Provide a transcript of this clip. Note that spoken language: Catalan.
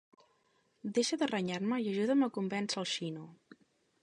Deixa de renyar-me i ajuda'm a convèncer el xino.